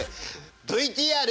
ＶＴＲ。